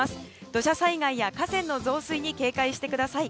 土砂災害や河川の増水に警戒してください。